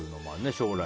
将来。